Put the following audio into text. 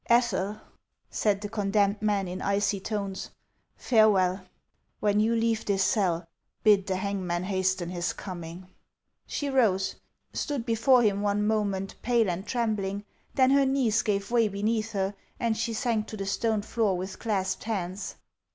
" Ethel," said the condemned man, in icy tones, " fare well ! When you leave this cell, bid the hangman hasten Ills coming." She rose, stood before him one moment, pale and trem bling, then her knees gave way beneath her, and she sank to the stone floor with clasped hands.